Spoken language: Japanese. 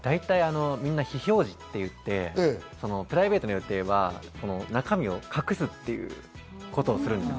みんな非表示っていって、プライベートの予定は中身を隠すということをするんです。